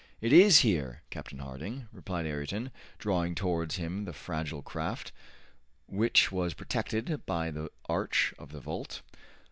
"It is here, Captain Harding," replied Ayrton, drawing towards him the fragile craft, which was protected by the arch of the vault.